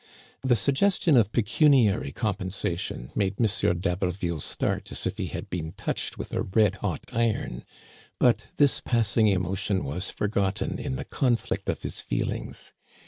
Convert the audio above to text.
The suggestion of pecuniary compensation made M. d'Haberville start as if he had been touched with a red hot iron ; but this passing emotion was forgotten in the conflict of his feelings.